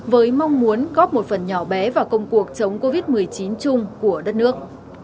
với mong muốn góp một phần nhỏ bé vào công cuộc chống covid một mươi chín chung của đất nước